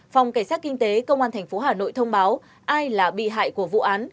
phòng cảnh sát kinh tế công an tp hà nội thông báo ai là bị hại của vụ án